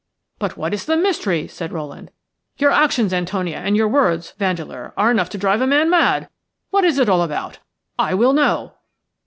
"But what is the mystery?" said Rowland. "Your actions, Antonia, and your words, Vandeleur, are enough to drive a man mad. What is it all about? I will know."